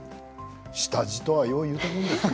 下地とはよく言うもんですね。